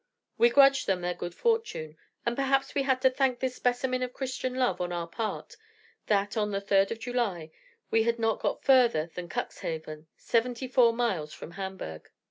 We grudged them their good fortune; and perhaps we had to thank this specimen of Christian love on our part, that on the 3rd of July, we had not got further than Cuxhaven, seventy four miles from Hamburgh.